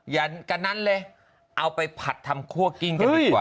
กระนั้นเลยเอาไปผัดทำคั่วกิ้งกันดีกว่า